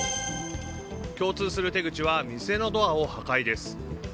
共通する手口は店のドアを破壊です。